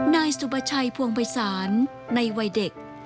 นายสุประชัยพวงภัยศาลในวัยเด็ก